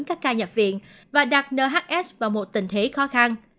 các ca nhập viện và đặt nhs vào một tình thế khó khăn